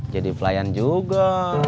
jadi pelayan juga